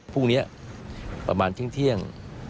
พรุ่งนี้ประมาณเที่ยง